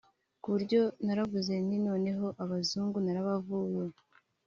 Ku buryo naravuze nti noneho abazungu narabavuye